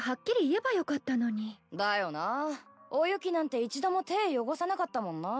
だよなぁおユキなんて一度も手ぇ汚さなかったもんな。